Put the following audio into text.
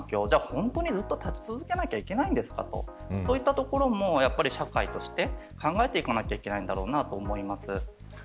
本当にずっと立ち続けなければいけないですかとそういったところも社会として考えていかなければいけないと思います。